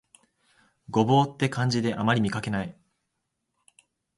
牛蒡って漢字であまり見かけない